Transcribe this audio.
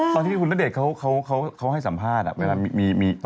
ตอนที่คุณณเดชน์เขาให้สัมภาษณ์เวลามี